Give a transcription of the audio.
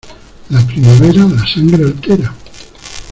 La primavera la sangre altera.